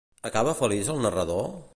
Acaba feliç el narrador?